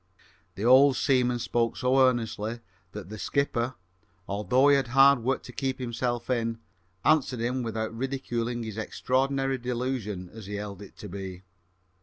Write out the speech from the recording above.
The old seaman spoke so earnestly that the skipper, although he had hard work to keep himself in, answered him without ridiculing his extraordinary delusion, as he held it to be.